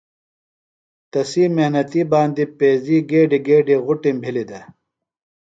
تسی محنتیۡ باندی پیزی گیڈیۡ گیڈیۡ غُٹِم بھلیۡ دےۡ۔